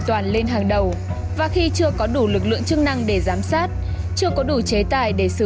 toàn lên hàng đầu và khi chưa có đủ lực lượng chức năng để giám sát chưa có đủ chế tài để xử